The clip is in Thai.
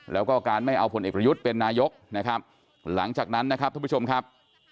แล้วก็การไม่เอาผลเอกประยุทธ์เป็นนายกหลังจากนั้นทุกผู้ชมครับ